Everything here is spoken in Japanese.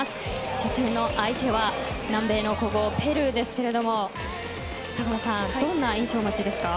初戦の相手は南米の古豪ペルーですけれども迫田さん、どんな印象をお持ちですか？